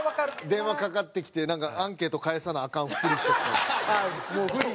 電話かかってきてなんかアンケート返さなアカンふり。